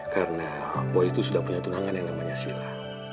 karena boy itu sudah punya tunangan yang namanya sila